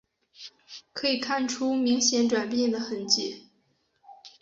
可以看出明显转变的痕迹